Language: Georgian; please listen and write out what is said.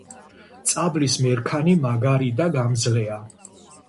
წაბლის მერქანი მაგარი და გამძლეა.